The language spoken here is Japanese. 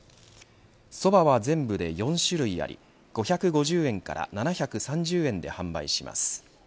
そばは全部で４種類あり５５０円から７３０円で販売します。